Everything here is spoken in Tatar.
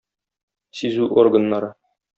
Сизү органнары.